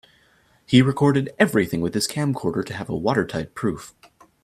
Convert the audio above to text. He recorded everything with his camcorder to have a watertight proof.